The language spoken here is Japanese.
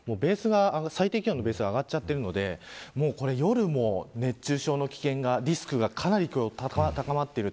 最低気温のベースが上がっているので夜も熱中症の危険がリスクがかなり高まっている。